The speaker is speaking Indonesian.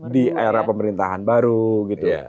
di era pemerintahan baru gitu